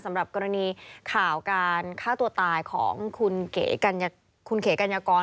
สำหรับกรณีข่าวการฆ่าตัวตายของคุณเก๋กัญญากร